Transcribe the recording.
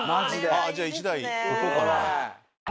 じゃあ１台置こうかな。